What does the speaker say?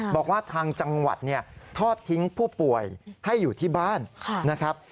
บอกว่าทางจังหวัดทอดทิ้งผู้ป่วยให้อยู่ที่บ้านนะครับ